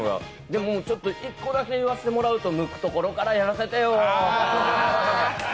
でも、１個だけ言わせてもらうと、むくところからやらせてよ。